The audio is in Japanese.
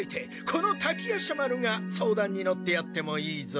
この滝夜叉丸が相談に乗ってやってもいいぞ。